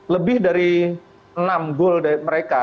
lebih dari enam gol dari mereka